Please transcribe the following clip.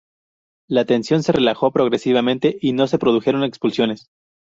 La tensión se relajó progresivamente y no se produjeron expulsiones.